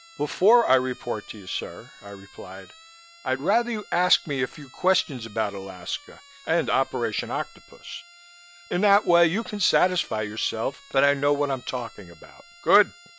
"Before I report to you, sir!" I replied, "I'd rather you ask me a few questions about Alaska and Operation Octopus. In that way you can satisfy yourself that I know what I'm talking about." "Good!"